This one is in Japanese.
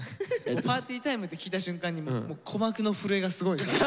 「ＰＡＲＴＹＴＩＭＥ」って聞いた瞬間にもう鼓膜の震えがすごい。